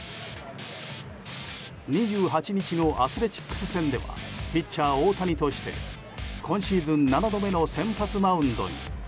２８日のアスレチックス戦ではピッチャー大谷として今シーズン７度目の先発マウンドに。